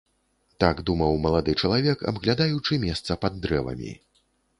Так думаў малады чалавек, абглядаючы месца пад дрэвамі.